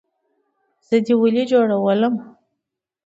زه دې ولۍ جوړولم؟